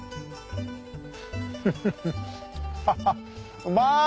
フフフハハっうまい！